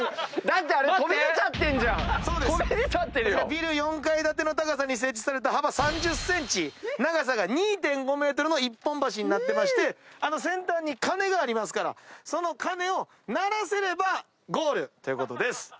ビル４階建ての高さに設置された幅３０ｃｍ長さが２．５ｍの一本橋になってましてあの先端に鐘がありますからその鐘を鳴らせればゴールということです。